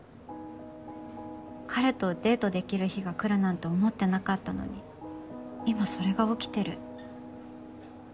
彼とデートできる日が来るなんて思ってなかったのに今それが起きてる。